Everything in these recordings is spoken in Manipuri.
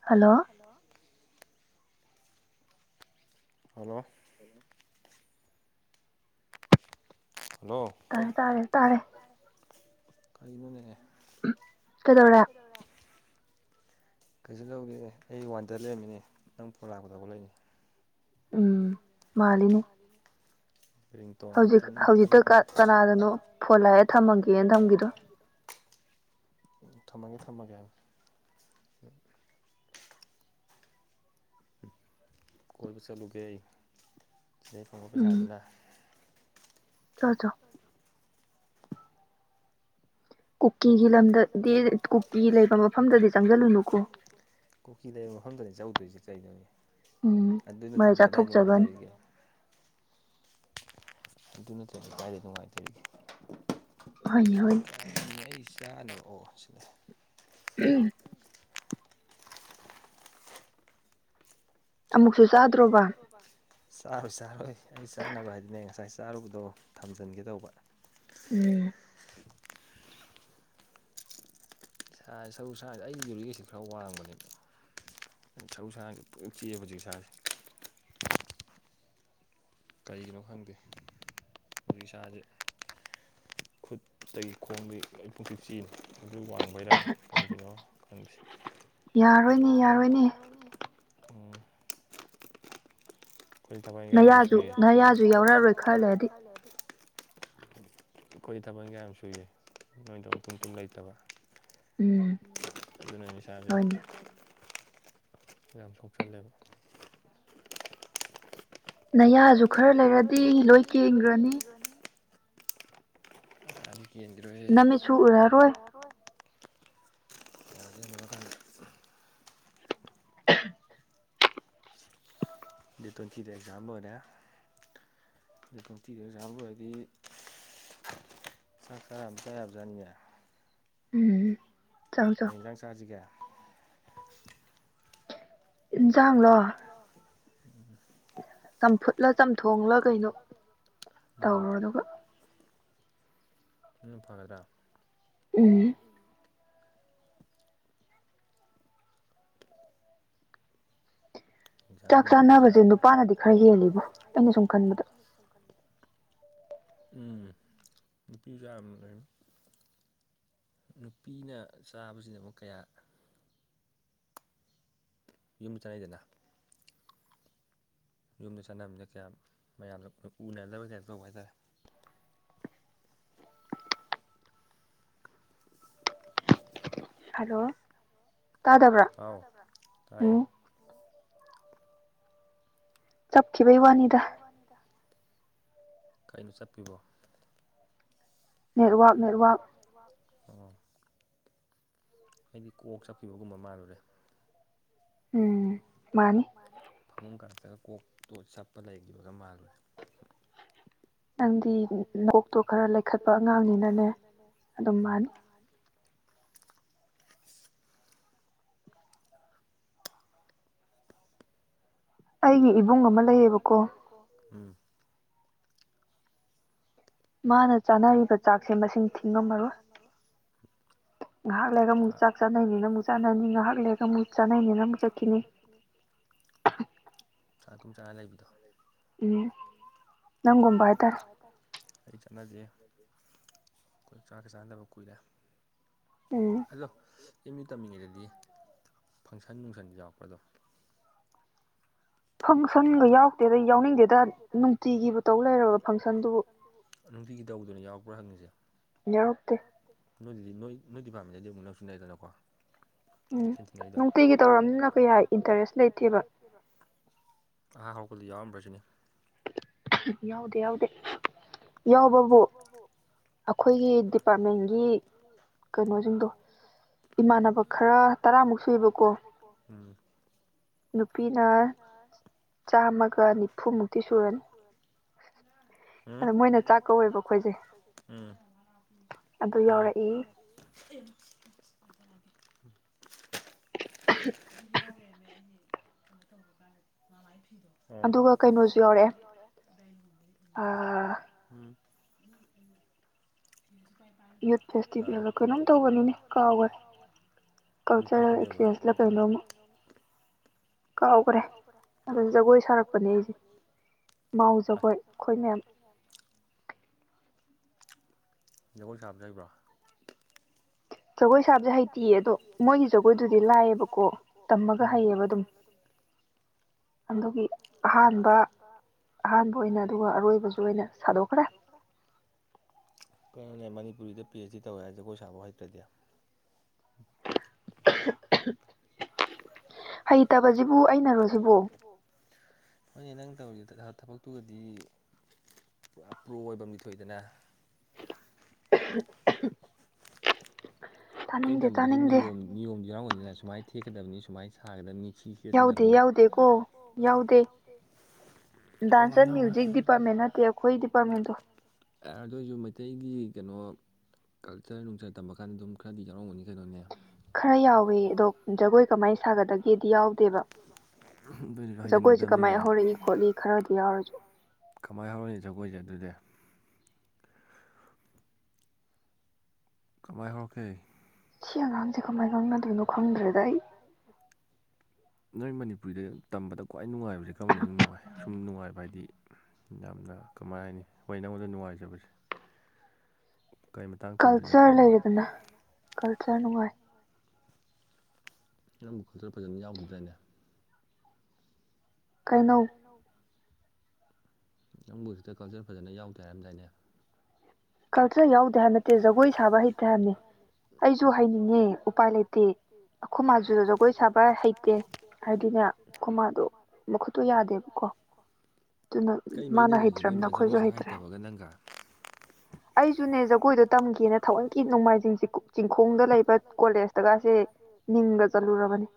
ꯍꯜꯂꯣ ꯍꯜꯂꯣ ꯍꯜꯂꯣ [inaudible] ꯍꯜꯂꯣ ꯇꯥꯔꯦ ꯇꯥꯔꯦ ꯇꯥꯔꯦ ꯀꯩꯅꯣꯅꯦꯍꯦ ꯀꯩꯗꯧꯔꯦ ꯀꯩꯗꯧꯔꯦ ꯀꯩꯁꯨ ꯇꯧꯗꯦꯑꯦ ꯑꯩ ꯋꯥꯟꯗ ꯂꯩꯔꯝꯃꯤꯅꯦ ꯅꯪ ꯐꯣꯟ ꯂꯥꯛꯄꯗ ꯍꯧꯒꯠꯂꯛꯏꯅꯦ ꯎꯝ ꯃꯥꯜꯂꯤꯅꯦ [unintelligible] ꯔꯤꯡꯇꯣꯟꯗꯣ ꯇ꯭ꯔꯤꯡ ꯇ꯭ꯔꯤꯡ ꯈꯣꯡꯉꯛꯄ ꯀꯅꯥꯅꯅꯣ ꯐꯣꯟ ꯂꯩꯔ ꯊꯃꯝꯃꯤꯅ [unintelligible] ꯎꯝ ꯊꯝꯃꯒꯦ ꯊꯝꯃꯒꯦ ꯍꯥꯏꯕꯅꯤ ꯀꯣꯏꯕ ꯆꯠꯂꯨꯒꯦ ꯁꯤꯗꯩ ꯐꯪꯕ ꯄꯩꯁꯥꯗꯨꯅ ꯆꯣ ꯆꯣ ꯀꯨꯀꯤꯒꯤ ꯂꯝꯗ ꯗꯦ ꯀꯨꯀꯤ ꯂꯩꯕ ꯃꯐꯝꯗꯗꯤ ꯆꯪꯖꯜꯂꯨꯅꯨꯀꯣ ꯀꯨꯀꯤ ꯂꯩꯕ ꯃꯐꯝꯗꯅꯤ ꯆꯧꯗꯣꯏꯖꯦ ꯀꯩꯅꯣꯅꯦ ꯑꯗꯨ ꯅꯠꯇꯗꯤ ꯀꯗꯥꯏ ꯅꯨꯡꯉꯥꯏꯗꯧꯔꯤꯒꯦ ꯑꯗꯨ ꯅꯠꯇ꯭ꯔꯗꯤ ꯀꯥꯏꯗꯒꯤ ꯅꯨꯡꯉꯥꯏꯗꯧꯔꯤꯒꯦ ꯍꯣꯏꯅꯦ ꯍꯣꯏꯅꯦ [unintelligible] ꯑꯩꯒꯤ ꯆꯥꯅꯕ ꯑꯣ ꯁꯤ ꯂꯩꯔꯦ [unintelligible] ꯑꯃꯨꯛꯁꯨ ꯆꯥꯗ꯭ꯔꯣꯕ ꯆꯥꯔꯣꯏ ꯆꯥꯔꯣꯏ ꯑꯩ ꯆꯥꯅꯕ ꯍꯥꯏꯗꯤꯅꯦ ꯉꯁꯥꯏ ꯆꯥꯔꯨꯕꯗꯣ ꯊꯝꯖꯟꯒꯦ ꯇꯧꯕ ꯎꯝ ꯁꯥ ꯁꯔꯨ ꯁꯥꯔꯥꯡꯖꯦ ꯑꯩꯒꯤ ꯌꯨꯔꯤꯛ ꯑꯦꯁꯤꯠ ꯈꯔ ꯋꯥꯡꯕꯅꯦꯕ ꯁꯔꯨ ꯁꯔꯥꯡꯖꯦ ꯄꯨꯡꯆꯤꯛ ꯆꯤꯛꯑꯦꯕ ꯍꯧꯖꯤꯛ ꯏꯁꯥꯖꯦ ꯀꯔꯤꯒꯤꯅꯣ ꯈꯪꯗꯦ ꯍꯧꯖꯤꯛ ꯏꯁꯥꯖꯦ ꯈꯨꯠꯇꯒꯤ ꯈꯣꯡꯗꯩ ꯂꯣꯢ ꯄꯨꯨꯡꯆꯤꯛ ꯆꯤꯛꯏ ꯑꯗꯨ ꯋꯥꯡꯕꯩꯔꯥ ꯀꯩꯒꯤꯅꯣ ꯈꯪꯗꯦ ꯌꯥꯔꯣꯏꯅꯦ ꯌꯥꯔꯣꯏꯅꯦ ꯎꯝ ꯈꯣꯏꯗꯤ ꯊꯕꯛ ꯏꯪꯒꯥꯡ ꯌꯥꯝ ꯁꯨꯏꯌꯦ ꯅꯌꯥꯖꯨ ꯅꯌꯥꯖꯨ ꯌꯥꯎꯔꯛꯑꯔꯣꯢ ꯈꯔ ꯂꯩꯔꯗꯤ ꯈꯣꯏ ꯊꯥꯕꯛ ꯏꯟꯒꯥꯡ ꯌꯥꯝ ꯁꯨꯏꯌꯦ ꯅꯣꯏꯗꯧꯅ ꯇꯨꯝ ꯇꯨꯝ ꯂꯩꯇꯕ ꯑꯗꯨꯅ ꯏꯁꯥꯖꯤ ꯌꯥꯝ ꯁꯣꯛꯆꯜꯂꯦꯕ ꯅꯌꯥꯖꯨ ꯈꯔ ꯂꯩꯔꯗꯤ ꯂꯣꯏ ꯀꯦꯟꯒ꯭ꯔꯅꯤ ꯌꯥꯗꯤ ꯀꯦꯟꯒꯤꯔꯣꯏꯍꯦ ꯅꯃꯤꯠꯁꯨ ꯎꯔꯔꯣꯢ ꯌꯥꯗꯤ ꯍꯟꯅꯨꯔꯀꯥꯟꯗꯥ [unintelligible] ꯗꯦꯠ ꯇ꯭ꯋꯦꯟꯇꯤꯗ ꯑꯦꯛꯖꯥꯝ ꯂꯣꯏꯔꯦ ꯗꯦꯠ ꯇ꯭ꯋꯦꯟꯇꯤꯗ ꯑꯦꯛꯖꯥꯝ ꯂꯣꯢꯔꯗꯤ ꯆꯥꯛ ꯆꯔꯥꯃ ꯆꯥꯕ ꯌꯥꯕꯖꯥꯠꯅꯤꯅꯦ ꯎꯝ ꯀꯩꯏꯟꯖꯥꯡ ꯆꯥꯖꯤꯒꯦ ꯏꯟꯖꯥꯡꯂꯣ ꯂꯣ ꯆꯝꯐꯨꯠꯂ ꯆꯝꯊꯣꯡꯂ ꯀꯩꯅꯣ ꯎꯝ ꯑꯗꯨꯅ ꯐꯔꯗ꯭ꯔꯥ ꯎꯝ ꯑꯦꯛꯖꯥꯝ ꯂꯣꯢꯕꯩ ꯆꯥꯛ [unintelligible] ꯎꯝ ꯅꯨꯄꯤꯖꯨ ꯌꯥꯝ ꯂꯩ ꯅꯨꯄꯤꯅ ꯆꯥꯕꯖꯤꯅ ꯑꯃꯨꯛ ꯀꯌꯥ ꯌꯨꯝꯗ ꯆꯥꯅꯩꯗꯅ ꯌꯨꯝꯗ ꯆꯥꯒꯅꯕꯅꯤꯅ ꯀꯌꯥ ꯃꯌꯥꯝꯅ ꯎꯅꯗꯕꯩ ꯇꯥꯢꯞ ꯇꯧꯕ ꯍꯥꯏꯇꯥꯔꯦ ꯍꯂꯣ ꯍꯥꯎ ꯇꯥꯏꯌꯦ ꯆꯞꯈꯤꯕꯩ ꯋꯥꯅꯤꯗ ꯋꯥꯅꯤꯗ ꯀꯩꯅꯣ ꯆꯞꯄꯤꯕꯣ ꯅꯦꯠꯋꯥꯛ ꯅꯦꯋꯥꯛ ꯅꯦꯋꯥꯛ ꯎꯝ ꯑꯩꯗꯤ ꯀꯣꯛ ꯆꯞꯈꯤꯕꯒꯨꯝꯕ ꯃꯥꯜꯂꯨꯔꯦ ꯎꯝ ꯃꯟꯅꯤ ꯐꯃꯨꯡ ꯀꯥꯔꯛꯇꯒ ꯀꯣꯛꯇꯣ ꯆꯞꯄ ꯂꯩꯈꯤꯕꯒ ꯃꯥꯜꯂꯨꯔꯦ ꯑꯩꯒꯤ ꯅꯥꯀꯣꯛꯇꯣ ꯈꯔꯥꯥ ꯂꯩꯈꯠꯄ ꯑꯉꯥꯡꯅꯤꯅꯅꯦ ꯃꯥꯟ ꯑꯩꯒꯤ ꯏꯕꯨꯡ ꯑꯃ ꯂꯩꯌꯦꯕꯀꯣ ꯎꯝ ꯃꯥꯅ ꯆꯥꯅꯔꯤꯕ ꯆꯥꯛꯁꯦ ꯃꯁꯤꯡ ꯊꯤꯡꯉꯝꯃꯔꯣꯏ ꯉꯥꯏꯍꯥꯛ ꯂꯩꯔꯒ ꯑꯃꯨꯛ ꯆꯥꯛ ꯆꯥꯅꯩꯅꯤꯅ ꯑꯃꯨꯛ ꯆꯥꯅꯅꯤ ꯉꯥꯏꯍꯥꯛ ꯂꯩꯔꯒ ꯑꯃꯨꯛ ꯆꯥꯅꯩꯅꯦꯅ ꯑꯃꯨꯛ ꯆꯠꯈꯤꯅꯤ [inaudible] ꯆꯥꯛ ꯑꯗꯨꯨꯝ ꯆꯥ ꯂꯩꯕꯗꯣ ꯎꯝ ꯅꯪꯒꯨꯝꯕ ꯍꯥꯢꯇꯥꯔꯦ ꯑꯩꯗꯤ ꯆꯥꯅꯗꯦ ꯑꯩꯈꯣꯏ ꯆꯥꯛꯀ ꯆꯥꯅꯗꯕ ꯀꯨꯏꯔꯦ ꯎꯝ ꯑꯗꯣ ꯑꯦꯝꯌꯨ ꯇꯝꯃꯤꯉꯩꯗꯗꯤ ꯐꯪꯁꯟ ꯅꯨꯡꯁꯟꯗꯤ ꯌꯥꯎꯔꯛꯄ꯭ꯔꯗꯣ ꯐꯪꯁꯟꯒ ꯌꯥꯎꯔꯛꯇꯦꯗ ꯌꯥꯎꯅꯤꯡꯗꯦꯗ ꯅꯨꯡꯇꯤꯒꯤꯕꯨ ꯇꯧ ꯂꯩꯔꯕ ꯐꯪꯁꯟꯗꯨꯕꯨ ꯅꯨꯡꯇꯤꯒꯤ ꯇꯧꯕꯗꯨꯅꯤ ꯌꯥꯎꯔꯛꯄ꯭ꯔꯥ ꯍꯪꯉꯤꯁꯦ ꯌꯥꯎꯔꯛꯇꯦ ꯅꯣꯏꯗꯗꯤ ꯅꯣꯏ ꯅꯣꯏ ꯗꯤꯄꯥꯔꯠꯃꯦꯟꯗꯗꯤ ꯑꯃꯨꯛ ꯅꯛꯁꯨ ꯅꯛꯑꯦꯗꯅꯀꯣ ꯎꯝ ꯅꯨꯡꯇꯤꯒꯤ ꯇꯧꯔꯝꯅꯤꯅ ꯀꯌꯥ ꯏꯟꯇꯔꯦꯁ ꯂꯩꯇꯦꯕ ꯑꯗꯨꯒ ꯑꯍꯥ ꯍꯧꯔꯛꯄꯗꯤ ꯌꯥꯎꯔꯝꯕ꯭ꯔꯥꯁꯤꯅꯤ ꯌꯥꯎꯗꯦ ꯌꯥꯎꯗꯦ ꯌꯥꯎ ꯕꯕꯨ ꯑꯩꯈꯣꯏꯒꯤ ꯗꯤꯄꯥꯔꯠꯃꯦꯟꯒꯤ ꯀꯩꯅꯣꯖꯤꯡꯗꯣ ꯏꯃꯥꯟꯅꯕ ꯈꯔ ꯇꯔꯥꯃꯨꯛ ꯁꯨꯏꯕꯀꯣ ꯅꯨꯄꯤꯅ ꯆꯥꯝꯃꯒ ꯅꯤꯐꯨꯃꯨꯛꯇꯤ ꯁꯨꯔꯅꯤ ꯑꯥ [unintelligible] [unintelligible] ꯑꯗꯨ ꯌꯥꯎꯂꯩꯔꯝꯃꯦ ꯑꯩꯖꯦ ꯀꯩꯅꯣꯇꯧꯕ ꯀꯥꯟꯗ ꯃꯃꯥꯏ ꯐꯤꯗꯣ ꯑꯣ ꯑꯗꯨꯒ ꯀꯩꯅꯣꯖꯨ ꯌꯥꯎꯔꯛꯑꯦ ꯑꯥ ꯎꯝ [unintelligible] ꯌꯨꯠ ꯐꯦꯁꯇꯤꯚꯦꯜꯂ ꯀꯩꯅꯣꯝ ꯇꯧꯕꯅꯤꯅꯦ ꯀꯥꯎꯒ꯭ꯔꯦ ꯀꯧꯜꯆꯥꯔ ꯑꯦꯛꯆꯦꯟꯁꯂꯥ ꯀꯩꯅꯣꯝꯃ ꯀꯥꯎꯒ꯭ꯔꯦ ꯑꯗꯨꯖꯨ ꯖꯒꯣꯏ ꯁꯥꯔꯛꯄꯅꯦ ꯑꯩꯖꯦ ꯃꯥꯎ ꯖꯒꯣꯏ ꯑꯩꯈꯣꯏ ꯃꯌꯥꯝ [unintelligible] ꯖꯒꯣꯏ ꯁꯥꯕꯗꯤ ꯍꯩꯕ꯭ꯔꯣ ꯖꯒꯣꯏ ꯁꯥꯕꯗꯤ ꯍꯩꯇ꯭ꯔꯤꯌꯦ ꯑꯗꯣ ꯃꯣꯏꯒꯤ ꯖꯒꯣꯏꯗꯨꯗꯤ ꯂꯥꯏꯌꯦꯕꯀꯣ ꯇꯝꯃꯒ ꯍꯩꯌꯦꯕ ꯑꯗꯨꯝ ꯑꯗꯨꯒꯤ ꯑꯍꯥꯟꯕ ꯑꯍꯥꯟꯕ ꯑꯣꯏꯅ ꯑꯗꯨꯒ ꯑꯔꯣꯏꯕꯖꯨ ꯑꯣꯏꯅ ꯁꯥꯗꯣꯛꯈ꯭ꯔꯦ ꯀꯩꯅꯣꯅꯦ ꯃꯅꯤꯄꯨꯔꯤꯗ ꯄꯤ ꯑꯩꯆ ꯗꯤ ꯇꯧꯋꯦ ꯍꯥꯏ ꯖꯒꯣꯏ ꯁꯥꯕꯎ ꯍꯩꯇ꯭ꯔꯗꯤ ꯑꯍꯨ ꯑꯍꯨ ꯍꯩꯇꯕꯖꯤꯕꯨ ꯑꯩꯅꯔꯣꯁꯤꯕꯨ ꯍꯣꯏꯅꯦ ꯅꯪ ꯇꯧꯔꯤꯕ ꯊꯕꯛꯇꯨꯒꯗꯤ ꯄꯨꯔꯥ ꯄ꯭ꯔꯣ ꯑꯣꯏꯕꯝ ꯗꯤ ꯊꯣꯛꯏꯗꯅ ꯑꯍꯨ ꯑꯍꯨ ꯅꯣꯏꯅ ꯇꯝꯕꯗꯗꯤ ꯅꯤꯌꯣꯝ ꯅꯤꯌꯣꯝꯗꯤ ꯌꯥꯎꯔꯝꯒꯅꯤꯅ ꯁꯨꯃꯥꯏꯅ ꯊꯦꯛꯀꯗꯕꯅꯤ ꯁꯨꯃꯥꯏ ꯁꯥꯒꯗꯕꯅꯤ ꯁꯤꯀꯦꯁꯤꯗꯝꯅꯤ ꯌꯥꯎꯗꯦ ꯌꯥꯎꯗꯦꯀꯣ ꯌꯥꯎꯗꯦ ꯌꯥꯎꯔꯝꯒꯅꯤ ꯌꯥꯎꯔꯝꯒꯅꯤ [unintelligible] ꯅꯠꯇꯦ ꯑꯩꯈꯣꯏ ꯗꯤꯄ꯭ꯔꯠꯃꯦꯟ ꯑꯗꯨꯏꯖꯨ ꯃꯩꯇꯩꯒꯤ ꯀꯅꯣ ꯀꯜꯆꯔ ꯅꯨꯡꯆꯔ ꯇꯝꯕꯀꯥꯟꯗ ꯑꯗꯨꯝ ꯈꯔꯗꯤ ꯌꯥꯎꯔꯝꯒꯅꯤ ꯀꯩꯅꯣꯅꯦ ꯈꯔ ꯌꯥꯎꯋꯦ ꯑꯗꯣ ꯖꯒꯣꯏ ꯀꯃꯥꯏꯅ ꯁꯥꯒꯗꯒꯦꯗꯤ ꯌꯥꯎꯗꯦꯕ ꯖꯒꯣꯏꯖꯦ ꯀꯃꯥꯏ ꯍꯧꯔꯛꯏ ꯈꯣꯠꯂꯤ ꯈꯔꯗꯤ ꯌꯥꯎꯔꯖꯨ ꯀꯃꯥꯏ ꯍꯧꯔꯛꯏꯅꯣ ꯖꯒꯣꯏꯖꯦ ꯑꯗꯨꯗꯤ ꯀꯃꯥꯏ ꯍꯧꯔꯛꯀꯦ ꯁꯤ ꯑꯉꯥꯡꯖꯦ ꯀꯃꯥꯏ ꯉꯥꯡꯅꯗꯣꯏꯅꯣ ꯈꯪꯗ꯭ꯔꯦꯗ ꯑꯩ ꯅꯣꯏ ꯃꯅꯤꯄꯨꯔꯤꯗ ꯇꯝꯕꯗ ꯈ꯭ꯋꯥꯏ ꯅꯨꯡꯉꯥꯏꯕꯖꯦ ꯀꯔꯝꯕꯅ ꯏꯅꯨꯡ ꯅꯨꯡꯉꯥꯏ ꯁꯨꯝ ꯅꯨꯡꯉꯥꯏꯕ ꯍꯥꯏꯗꯤ ꯌꯥꯝꯅ ꯀꯃꯥꯏ ꯍꯥꯏꯅꯤ ꯍꯣꯏ ꯅꯪꯉꯣꯟꯗ ꯅꯨꯡꯉꯥꯏꯖꯕꯁꯦ ꯀꯜꯆꯔ ꯂꯩꯔꯦꯗꯅ ꯀꯜꯆꯔ ꯅꯨꯡꯉꯥꯏ ꯅꯪꯕꯨ ꯀꯜꯆꯔ ꯐꯖꯟꯅ ꯌꯥꯎꯗꯗꯥꯏꯅꯦ ꯀꯩꯅꯣ ꯅꯧ ꯅꯪꯕꯨ ꯍꯧꯖꯤꯛꯇ ꯀꯜꯆꯔ ꯐꯖꯟꯅ ꯌꯥꯎꯗꯦ ꯍꯥꯏꯔꯝꯗꯥꯏꯅꯦ ꯀꯜꯆꯔ ꯌꯥꯎꯗꯦ ꯍꯥꯏꯕ ꯅꯠꯇꯦ ꯖꯒꯣꯏ ꯁꯥꯕ ꯍꯩꯇꯦ ꯍꯥꯏꯕꯅꯤ ꯑꯩꯖꯨ ꯍꯩꯅꯤꯡꯉꯦ ꯎꯄꯥꯏ ꯂꯩꯇꯦ ꯑꯈꯨꯃꯥꯖꯨ ꯖꯒꯣꯏ ꯁꯥꯕ ꯍꯩꯇꯦ ꯍꯥꯏꯗꯤꯅꯦ ꯑꯥꯈꯨꯃꯥꯗꯣ ꯃꯈꯨꯠ ꯃꯈꯨꯠꯇꯣ ꯌꯥꯗꯦꯕꯀꯣ ꯀꯔꯤ ꯃꯔꯤ ꯂꯩꯅꯒꯦ ꯅꯣꯏꯃꯥ ꯖꯒꯣꯏꯁꯥ ꯍꯩꯇꯕꯒ ꯅꯪꯒ ꯑꯩꯖꯨꯅꯦ ꯖꯒꯣꯏꯗꯣ ꯇꯝꯒꯦꯅ ꯊꯋꯥꯏꯅꯀꯤ ꯅꯣꯡꯃꯥꯏꯖꯤꯡ ꯆꯤ ꯆꯤꯡꯈꯣꯡꯗ ꯂꯩꯕ ꯀꯣꯂꯦꯖꯇꯒꯁꯦ ꯃꯤꯡꯒ ꯆꯜꯂꯨꯔꯕꯅꯤ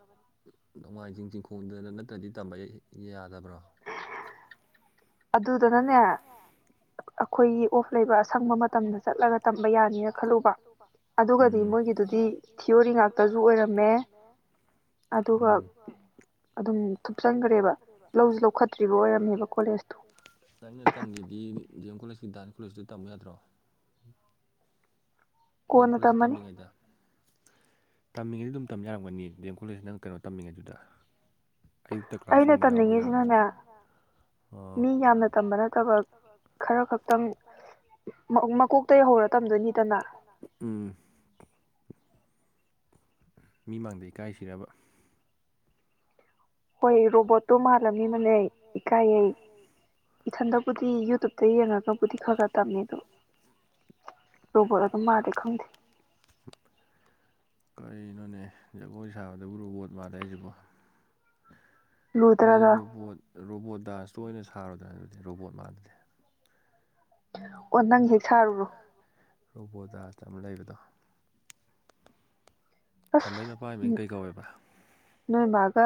ꯅꯣꯡꯃꯥꯏꯖꯤꯡ ꯆꯤꯡꯈꯣꯡꯗ ꯅꯠꯇ꯭ꯔꯗꯤ ꯇꯝꯕ ꯌꯥꯗꯕ꯭ꯔꯣ ꯑꯗꯨꯗꯅꯅꯦ ꯑꯩꯈꯣꯏꯒꯤ ꯑꯣꯐ ꯂꯩꯕ ꯑꯁꯪꯕ ꯃꯇꯝꯗ ꯆꯠꯂꯒ ꯇꯝꯕ ꯌꯥꯅꯤꯅ ꯈꯜꯂꯨꯕ ꯑꯗꯨꯒꯗꯤ ꯃꯣꯏꯒꯤꯗꯨꯗꯤ ꯊꯤꯑꯣꯔꯤ ꯉꯥꯛꯇꯖꯨ ꯑꯣꯏꯔꯝꯃꯦ ꯑꯃ ꯑꯗꯨꯒ ꯑꯗꯨꯝ ꯊꯨꯞꯆꯟꯒꯔꯦꯕ ꯂꯧꯁꯨ ꯂꯧꯈꯠꯇ꯭ꯔꯤꯕ ꯑꯣꯏꯔꯝꯃꯦꯕ ꯀꯣꯂꯦꯖꯇꯣ [inaudible] ꯅꯪꯅ ꯇꯝꯒꯦꯗꯤ ꯗꯤ ꯑꯦꯝ ꯀꯣꯂꯦꯖꯀꯤ ꯗꯥꯟꯁ ꯀꯣꯂꯦꯖꯇꯨ ꯇꯝꯃꯨ ꯌꯥꯗ꯭ꯔꯣ ꯗꯦꯝ ꯀꯣꯂꯦꯖꯇ ꯇꯝꯃꯤꯉꯩꯗ ꯇꯝꯃꯤꯉꯩꯗꯤ ꯑꯗꯨꯝ ꯇꯝ ꯌꯥꯔꯝꯒꯅꯤ ꯗꯦꯝ ꯀꯣꯂꯦꯖ ꯅꯪ ꯀꯩꯅꯣ ꯇꯝꯃꯤꯉꯩꯗꯨꯗ ꯑꯌꯨꯛꯇ ꯀ꯭ꯂꯥꯁꯀꯨꯝꯕ ꯌꯥꯎꯕ ꯌꯥꯔꯝꯒꯅꯤ ꯍꯣ ꯃꯤ ꯌꯥꯝꯅ ꯇꯝꯕ ꯅꯠꯇꯕ ꯈꯔ ꯈꯛꯇꯪ ꯃ ꯃꯀꯣꯛꯇꯩ ꯍꯧꯔ ꯇꯝꯗꯣꯏꯅꯤꯗꯅ ꯎꯝ ꯃꯤ ꯃꯥꯡꯗ ꯏꯀꯥꯏꯁꯤꯔꯕ ꯍꯣꯏ ꯔꯣꯕꯣꯠꯇꯣ ꯃꯥꯜꯂꯕꯤꯕꯅꯦ ꯏꯀꯥꯏꯌꯦ ꯏꯊꯟꯗꯕꯨꯗꯤ ꯌꯨꯇꯨꯕꯇ ꯌꯦꯡꯉꯒꯕꯨꯗꯤ ꯈꯔ ꯈꯔ ꯇꯝꯃꯦꯗꯣ ꯔꯣꯕꯣꯠ ꯑꯣꯏꯕ ꯃꯥꯂꯤ ꯈꯪꯗꯦ ꯀꯔꯤꯅꯣꯅꯦ ꯖꯒꯣꯏ ꯁꯥꯕꯗꯕꯨ ꯔꯣꯕꯣꯠ ꯃꯥꯜꯂꯦ ꯍꯥꯏꯁꯤꯕꯣ ꯑꯗꯨꯗꯤ ꯔꯣꯕꯣꯠ ꯔꯣꯕꯣꯠ ꯗꯥꯟꯁ ꯇꯣ ꯑꯣꯏꯅ ꯁꯥꯔꯣꯗꯅ ꯑꯗꯨꯗꯤ ꯔꯣꯕꯣꯠ ꯃꯥꯜꯂꯗꯤ [inaudible] [unintelligible] ꯔꯣꯕꯣꯠ ꯗꯥꯟꯁ ꯑꯝ ꯂꯩꯕꯗꯣ ꯈꯝꯕꯩ ꯃꯄꯥꯏ ꯃꯤꯡ ꯀꯩ ꯀꯧꯋꯦꯕ ꯅꯣꯏ ꯕꯥꯒ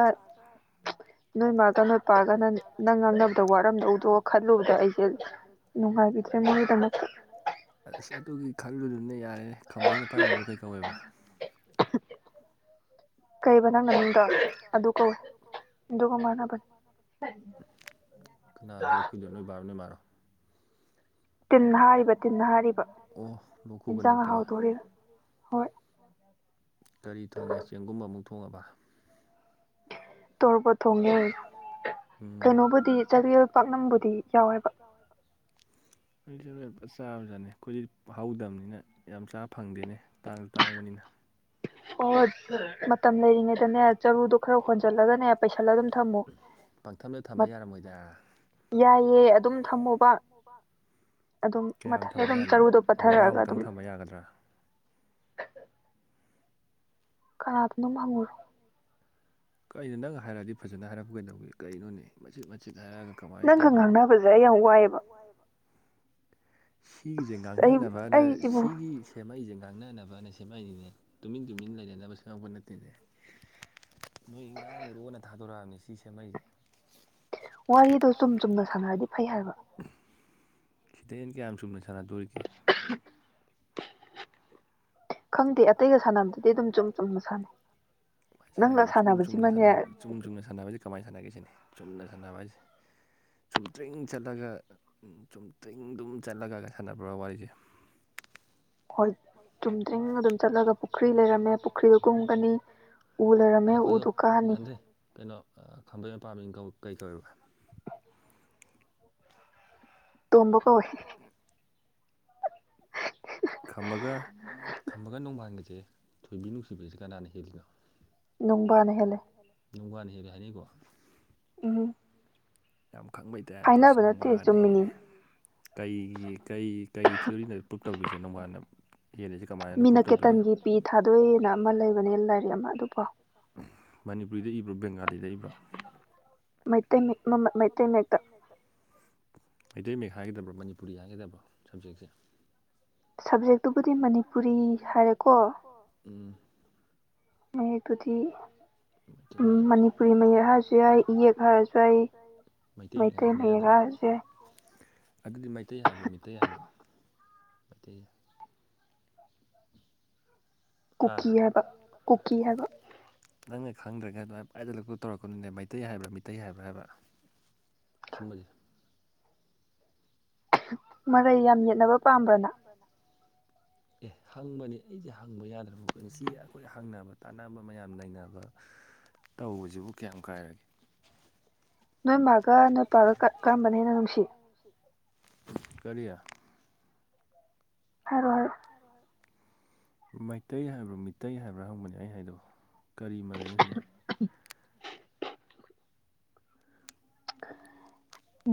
ꯅꯣꯏ ꯃꯥꯒ ꯅꯣꯏ ꯄꯥꯒꯅ ꯅꯪ ꯉꯥꯡꯅꯕꯗ ꯋꯥꯔꯝꯗꯧꯗꯣ ꯈꯜꯂꯨꯕꯗ ꯑꯩꯁꯦ ꯅꯨꯡꯉꯥꯏꯕꯤꯗ꯭ꯔꯦ ꯃꯣꯏꯒꯤꯗꯃꯛꯇ ꯑ ꯑꯁ ꯑꯗꯨꯒꯤ ꯈꯜꯂꯨꯔꯨꯅꯦ ꯌꯥꯔꯦꯅꯦ ꯈꯝꯕꯩ ꯃꯄꯥꯏ ꯃꯃꯤꯡꯗꯣ ꯀꯩ ꯀꯧꯋꯦꯕ ꯀꯩꯕ ꯅꯪ ꯅꯃꯤꯡꯗꯣ ꯑꯗꯨ ꯀꯧꯋꯦ ꯑꯗꯨꯒ ꯃꯥꯟꯅꯕꯅꯦ ꯀꯅꯥ ꯂꯣꯛ ꯈꯨꯏꯗꯣ ꯅꯣꯏ ꯕꯥꯔꯣ ꯅꯣꯏ ꯃꯥꯔꯣ ꯇꯤꯟ ꯍꯥꯔꯤꯕ ꯇꯤꯟ ꯍꯥꯔꯤꯕ ꯑꯣ ꯂꯣꯛ ꯈꯨꯕ ꯅꯠꯇꯕ ꯏꯟꯖꯥꯡ ꯍꯥꯎꯕꯒꯤ ꯀꯔꯤ ꯊꯣꯡꯉꯦ ꯆꯦꯡꯒꯨꯝ ꯑꯃꯨꯛ ꯊꯣꯡꯉꯕ ꯇꯣꯔꯕꯣꯠ ꯊꯣꯡꯉꯦ ꯀꯩꯅꯣꯝꯕꯨꯗꯤ ꯆꯒꯤꯜ ꯄꯥꯛꯅꯝꯕꯨꯗꯤ ꯌꯥꯎꯋꯦꯕ [inaudible] ꯅꯣꯏꯗꯤ ꯍꯨꯔꯦꯟ ꯐꯖꯅ ꯆꯥꯕꯖꯥꯠꯅꯤ ꯑꯩꯈꯣꯏꯗꯤ ꯃꯍꯥꯎ ꯇꯪꯕꯅꯤꯅ ꯌꯥꯝ ꯆꯥꯕ ꯐꯪꯗꯦꯅꯦ ꯇꯥꯡ ꯇꯥꯡꯕꯅꯤꯅ ꯑꯣꯏ ꯃꯇꯝ ꯂꯩꯔꯤꯉꯩꯗꯅꯦ ꯆꯔꯨꯗꯣ ꯈꯔ ꯍꯣꯟꯖꯜꯂꯒꯅꯦ ꯄꯩꯁꯜꯂꯒ ꯊꯝꯃꯨ ꯄꯪꯊꯝꯗ ꯊꯝꯕ ꯌꯥꯔꯝꯃꯣꯏꯗꯥ ꯌꯥꯏꯌꯦ ꯑꯗꯨꯝ ꯊꯝꯃꯣꯕ ꯑꯗꯨꯝ ꯃꯊꯟ ꯑꯗꯨꯝ ꯆꯔꯨꯗꯣ ꯄꯠꯊꯔꯛꯑꯒ ꯑꯗꯨꯝ ꯀꯅꯥꯗꯅꯣꯝ ꯍꯪꯉꯨꯔꯣ ꯀꯩꯅꯣ ꯅꯪ ꯍꯥꯏꯔꯛꯑꯗꯤ ꯐꯖꯅ ꯍꯥꯏꯔꯛꯄ ꯀꯩꯗꯧꯒꯦ ꯀꯔꯤꯅꯣꯅꯦ ꯃꯆꯤꯠ ꯃꯆꯤꯠ ꯍꯥꯏꯔꯛꯑꯒ ꯀꯃꯥꯏꯟ ꯇꯧꯗꯨꯏꯅꯣ ꯅꯡꯒ ꯉꯥꯡꯅꯕꯁꯦ ꯑꯩ ꯌꯥꯝ ꯋꯥꯏꯌꯦꯕ ꯁꯤꯒꯤꯖꯦ ꯉꯥꯡꯅꯅꯕ ꯑꯅ ꯁꯤꯒꯤ ꯁꯦꯝꯃꯩꯁꯦ ꯉꯥꯡꯅꯅꯕꯅ ꯁꯦꯝꯃꯛꯏꯅꯤꯅꯦ ꯇꯨꯃꯤꯟ ꯇꯨꯃꯤꯟ ꯂꯩꯅꯅꯕ ꯁꯦꯝꯃꯛꯄ ꯅꯠꯇꯦꯅꯦ ꯅꯣꯏ ꯉꯥꯡꯉꯨꯔꯣꯅ ꯊꯥꯗꯣꯔꯛꯑꯕꯅꯤ ꯁꯤ ꯁꯦꯝꯃꯩꯁꯦ ꯋꯥꯔꯤꯗꯣ ꯆꯨꯝ ꯆꯨꯝꯅ ꯁꯥꯟꯅꯔꯗꯤ ꯐꯩ ꯍꯥꯏꯕ ꯁꯤꯗꯩ ꯍꯦꯟ ꯀꯌꯥꯝ ꯆꯨꯝꯅ ꯁꯥꯟꯅꯗꯣꯔꯤꯒꯦ [unintelligible] ꯈꯪꯗꯦ ꯑꯇꯩꯒ ꯁꯥꯟꯅꯕꯗꯤ ꯑꯗꯨꯝ ꯆꯨꯝ ꯆꯨꯝꯃꯤ ꯍꯣꯔꯦꯟ ꯁꯥꯟꯅꯒꯦꯔꯣ ꯆꯨꯝ ꯆꯨꯝꯅ ꯁꯥꯟꯅꯔꯕ ꯆꯨꯝ ꯆꯨꯝꯅ ꯁꯥꯟꯅꯕꯖꯦ ꯀꯃꯥꯏꯅ ꯁꯥꯟꯅꯒꯦ ꯁꯤꯅꯤ ꯆꯨꯝꯅ ꯁꯥꯟꯅꯕ ꯍꯥꯏꯁꯦ ꯆꯨꯝꯇ꯭ꯔꯤꯡ ꯆꯠꯂꯒ ꯆꯨꯝꯇ꯭ꯔꯤꯡ ꯗꯨꯝ ꯆꯠꯂꯒ ꯁꯥꯟꯅꯕ꯭ꯔꯥ ꯋꯥꯔꯤꯁꯦ ꯍꯣꯏ ꯆꯨꯝꯗ꯭ꯔꯤꯡ ꯑꯗꯨꯝ ꯆꯠꯂꯒ ꯄꯨꯈ꯭ꯔꯤ ꯂꯩꯔꯝꯃꯦ ꯄꯨꯈ꯭ꯔꯤꯗꯣ ꯀꯨꯝꯒꯅꯤ ꯎ ꯂꯩꯔꯝꯃꯦ ꯎꯗꯨ ꯀꯥꯅꯤ ꯀꯩꯅꯣ ꯑ ꯈꯝꯕꯩ ꯃꯄꯥ ꯃꯤꯡ ꯀꯧ ꯀꯩ ꯀꯧꯑꯦꯕ ꯇꯣꯝꯕ ꯀꯧꯋꯦ ꯈꯝꯕꯒ ꯈꯝꯕꯒ ꯅꯣꯡꯕꯥꯥꯟꯒꯖꯦ ꯊꯣꯏꯕꯤ ꯅꯨꯡꯁꯤꯕꯖꯦ ꯀꯅꯥꯅ ꯍꯦꯜꯂꯤꯅꯣ ꯅꯣꯡꯕꯥꯟꯅ ꯍꯦꯜꯂꯦ ꯅꯣꯡꯕꯥꯟꯅ ꯍꯦꯜꯂꯦ ꯍꯥꯏꯅꯩꯀꯣ ꯎꯝ ꯌꯥꯝ ꯈꯪꯕꯩ ꯇꯥꯏꯞꯇ ꯏꯁ ꯅꯣꯡꯕꯥꯟ ꯍꯦꯜꯂꯦ ꯀꯩꯒꯤ ꯀꯩ ꯀꯩ ꯊꯤꯑꯣꯔꯤꯅ ꯄ꯭ꯔꯨꯨꯞ ꯇꯧꯗꯨꯏꯁꯦ ꯅꯣꯡꯕꯥꯟꯅ ꯍꯦꯟꯂꯤꯖꯦ ꯃꯤꯅꯀꯦꯇꯟꯒꯤ ꯄꯤ ꯊꯥꯗꯣꯏꯅ ꯑꯃ ꯂꯩꯕꯅꯦ ꯂꯥꯏꯔꯤꯛ ꯑꯃ ꯑꯗꯨ ꯄꯥꯎ ꯃꯅꯤꯄꯨꯔꯤꯗ ꯏꯕ꯭ꯔꯣ ꯕꯦꯡꯒꯥꯂꯤꯗ ꯏꯕ꯭ꯔꯣ ꯃꯩꯇꯩ ꯃꯤꯛ ꯃꯝ ꯃ ꯃꯩꯇꯩ ꯃꯌꯦꯛꯇ ꯃꯩꯇꯩ ꯃꯌꯦꯛ ꯍꯥꯏꯒꯗꯕ꯭ꯔꯣ ꯃꯅꯤꯄꯨꯔꯤ ꯍꯥꯏꯒꯗꯕ꯭ꯔꯣ ꯁꯕꯖꯦꯛꯁꯦ ꯁꯕꯖꯦꯛꯇꯨꯕꯨꯗꯤ ꯃꯅꯤꯄꯨꯔꯤ ꯍꯥꯏꯔꯦꯀꯣ ꯎꯝ ꯃꯌꯦꯛꯇꯨꯗꯤ ꯃꯩꯇꯩ ꯃꯌꯦꯛ ꯎꯝ ꯃꯅꯤꯄꯨꯔꯤ ꯃꯌꯦꯛ ꯍꯥꯏꯔꯁꯨ ꯌꯥꯏ ꯏꯌꯦꯛ ꯍꯥꯏꯔꯁꯨ ꯌꯥꯏ ꯃꯩꯇꯩ ꯃꯌꯦꯛ ꯍꯥꯏꯕꯗꯤ ꯌꯗꯕ ꯃꯩꯇꯩ ꯃꯌꯦꯛ ꯍꯥꯏ ꯑꯗꯨꯗꯤ ꯃꯩꯇꯩ ꯍꯥꯏꯕ꯭ꯔꯣ ꯃꯤꯇꯩ ꯍꯥꯏꯕ꯭ꯔꯣ ꯃꯩꯇꯩ ꯍꯥ ꯀꯨꯀꯤ ꯍꯥꯏꯕ ꯀꯨꯀꯤ ꯍꯥꯏꯕ ꯅꯪꯅ ꯈꯪꯗ꯭ꯔꯒ ꯑꯗꯨꯃꯥꯏ ꯄꯨꯡꯍꯥꯏ ꯍꯥꯏꯖꯜꯂꯛꯄꯗꯣ ꯇꯧꯔꯛꯀꯅꯨꯅꯦ ꯃꯩꯇꯩ ꯍꯥꯏꯕ꯭ꯔꯥ ꯃꯤꯇꯩ ꯍꯥꯏꯕ꯭ꯔꯥ ꯍꯥꯏꯕ ꯑꯁꯨꯝꯕꯖꯦ ꯃꯔꯩ ꯌꯥꯝ ꯌꯦꯠꯅꯕ ꯄꯥꯝꯕ꯭ꯔꯥ ꯅꯪ ꯕꯅ ꯑꯦ ꯍꯪꯕꯅꯦ ꯑꯩꯖꯦ ꯍꯪꯕ ꯌꯥꯗ꯭ꯔꯕ ꯁꯤ ꯑꯈꯣꯏ ꯍꯪꯅꯕ ꯇꯥꯟꯅꯕ ꯃꯌꯥꯝ ꯅꯩꯅꯕ ꯇꯧꯔꯤꯖꯤꯕꯨ ꯀꯌꯥꯝ ꯀꯥꯏꯔꯒꯦ ꯅꯣꯏ ꯃꯥꯒ ꯅꯣꯏꯄꯥꯒ ꯀ ꯀꯔꯝꯕꯅ ꯍꯦꯟꯅ ꯅꯨꯡꯁꯤ ꯀꯔꯤ ꯍꯥꯏꯔꯣ ꯍꯥꯏꯔꯣ ꯍꯥꯏꯔꯣ ꯍꯥꯏꯔꯣ ꯃꯩꯇꯩ ꯍꯥꯏꯕ꯭ꯔ ꯃꯤꯇꯩ ꯍꯥꯏꯕ꯭ꯔꯥ ꯍꯪꯕꯅꯦ ꯑꯩ ꯍꯥꯏꯗꯣ ꯀꯔꯤ ꯃꯔꯩꯅꯣꯁꯤꯗ [unintelligible]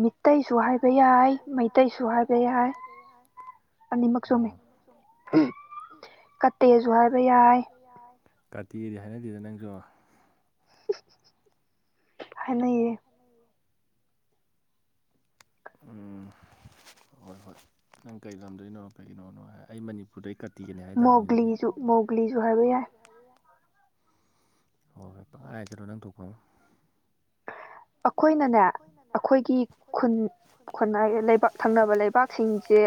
ꯃꯤꯇꯩꯁꯨ ꯍꯥꯏꯕ ꯌꯥꯏ ꯃꯩꯇꯩꯁꯨ ꯍꯥꯏꯕ ꯌꯥꯏ ꯑꯅꯤꯃꯛ ꯆꯨꯝꯃꯤ ꯍꯨꯝ ꯀꯠꯇꯦꯖꯨ ꯍꯥꯏꯕ ꯌꯥꯏ ꯌꯥꯏ ꯀꯠꯇꯦꯗꯤ ꯍꯥꯏꯅꯗꯦꯗ ꯅꯪꯖꯨ [unintelligible] ꯍꯥꯏꯅꯩꯌꯦ ꯎꯝ ꯍꯣꯏ ꯍꯣꯏ ꯅꯪ ꯀꯩ ꯂꯝꯗꯩꯅꯣ ꯀꯩꯒꯤꯅꯣꯅꯣ ꯍꯥꯏ ꯑꯩ ꯃꯅꯤꯄꯨꯔꯗꯩ ꯀꯠ ꯇꯩꯅꯦ ꯍꯥꯏꯇꯥꯝꯅꯦ ꯑꯗꯨꯗꯤ ꯃꯧꯒ꯭ꯂꯤꯖꯨ ꯃꯧꯒ꯭ꯂꯤꯖꯨ ꯍꯥꯏꯕ ꯌꯥꯏ ꯍꯣꯏ ꯍꯣꯏ ꯄꯪꯍꯥꯏ ꯍꯥꯏꯖꯜꯂꯣ ꯅꯪ ꯊꯣꯛꯄ ꯑꯃ ꯑꯈꯣꯏꯅꯅꯦ ꯑꯈꯣꯏꯒꯤ ꯈꯨꯟ ꯈꯨꯟꯍꯥꯏꯌꯦ ꯂꯩꯕꯛ ꯊꯪꯅꯕ ꯂꯩꯕꯥꯛꯁꯤꯡꯖꯦ